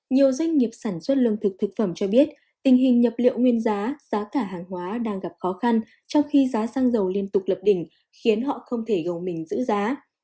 nhiều doanh nghiệp sản xuất lương thực thực phẩm cho biết tình hình nhập liệu nguyên giá giá cả hàng hóa đang gặp khó khăn trong khi giá xăng dầu liên tục lập đỉnh khiến họ không thể gồng mình giữ giá